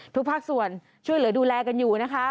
ทุกภาคส่วนช่วยเหลือดูแลกันอยู่นะคะ